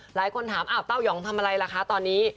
หลายคนถามอ้าวเต้ายองทำอะไรล่ะคะตอนนี้